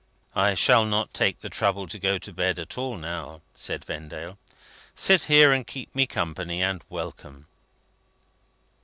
"I shall not take the trouble to go to bed at all, now," said Vendale; "sit here and keep me company, and welcome."